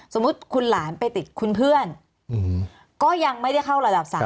สมมุติคุณหลานไปติดคุณเพื่อนก็ยังไม่ได้เข้าระดับ๓